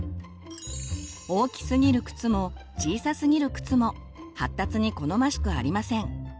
大きすぎる靴も小さすぎる靴も発達に好ましくありません。